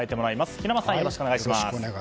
平松さん、よろしくお願いします。